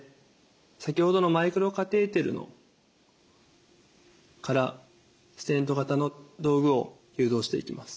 先ほどのマイクロカテーテルからステント型の道具を誘導していきます。